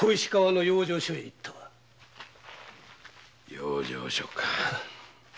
養生所か。